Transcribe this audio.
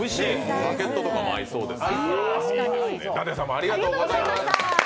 バケットとかも合いそうです。